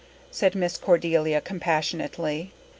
said Miss Cordelia compassionately.